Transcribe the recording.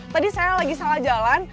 tadi saya lagi salah jalan